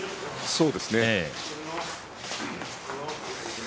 そうですね。